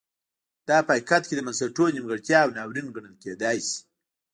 دا په حقیقت کې د بنسټونو نیمګړتیا او ناورین ګڼل کېدای شي.